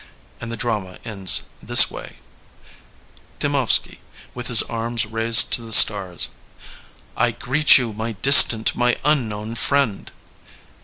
'' And the drama ends this way: Temovsky. \With his arms raised to the stars.] I greet you, my distant, my unknown, friend.